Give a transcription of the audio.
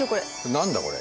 何だこれ？